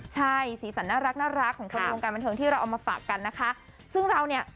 ใช่สีสันน่ารักน่ารักของคนในวงการบันเทิงที่เราเอามาฝากกันนะคะซึ่งเราเนี่ย